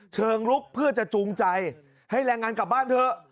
เชิงลุกเพื่อจะจูงใจให้แรงงานกลับบ้านเถอะ